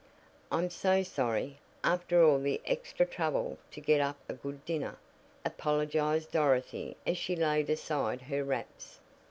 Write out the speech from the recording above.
"I'm so sorry, after all the extra trouble to get up a good dinner," apologized Dorothy as she laid aside her wraps.